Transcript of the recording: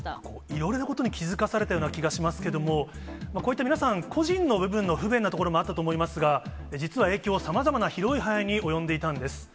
いろいろなことに気付かされたような気がしますけども、こういった皆さん、個人の部分の不便なところもあったと思いますが、実は影響、さまざまな広い範囲に及んでいたんです。